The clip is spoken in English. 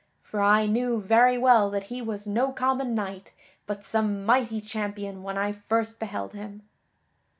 For I knew very well that he was no common knight but some mighty champion when I first beheld him."